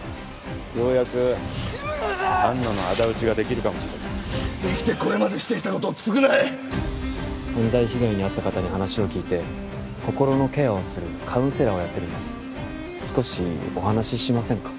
ようやく安野のあだ討ちができるかもしれない生きてこれまでしてきたことを償え犯罪被害に遭った方に話を聞いて心のケアをするカウンセラーをやってるんです少しお話しませんか？